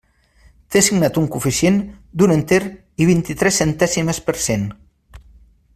Té assignat un coeficient d'un enter i vint-i-tres centèsimes per cent.